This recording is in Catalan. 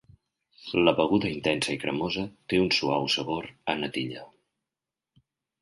La beguda intensa i cremosa té un suau sabor a natilla.